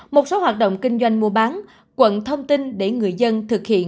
một số hoạt động kinh doanh mua bán quận thông tin để người dân thực hiện